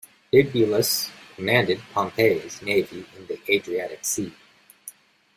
Bibulus commanded Pompey's navy in the Adriatic Sea.